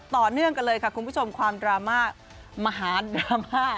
ต่อเนื่องกันเลยค่ะคุณผู้ชมความดราม่ามหาดราม่า